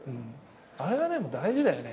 あれはでも大事だよね。